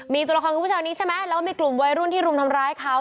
มีตัวละครคุณผู้ชายนี้ใช่ไหมแล้วก็มีกลุ่มวัยรุ่นที่รุมทำร้ายเขา